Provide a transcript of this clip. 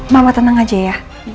mama tenang aja ya